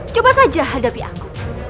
coba saja hadapi aku